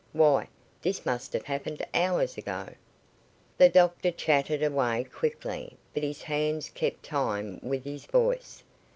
Why, this must have happened hours ago." The doctor chatted away, quickly, but his hands kept time with his voice.